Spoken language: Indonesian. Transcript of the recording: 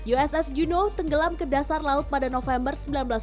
uss genew tenggelam ke dasar laut pada november